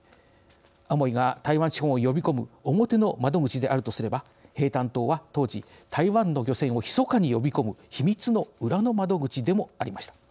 アモイが台湾資本を呼び込む表の窓口であるとすれば平潭島は、当時、台湾の漁船をひそかに呼び込む秘密の裏の窓口でもありました。